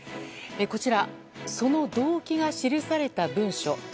こちら、その動機が記された文書。